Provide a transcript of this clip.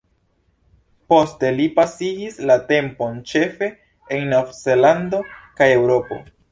Poste li pasigis la tempon ĉefe en Nov-Zelando kaj Eŭropo.